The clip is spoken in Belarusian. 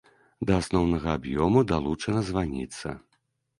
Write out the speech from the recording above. Да асноўнага аб'ёму далучана званіца.